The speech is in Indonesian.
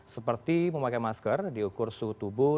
seperti memakai masker diukur suhu tubuh